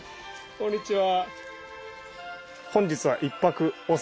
こんにちは。